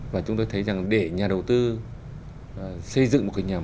và chúng tôi thấy rằng để nhà đầu tư xây dựng một nhà mạng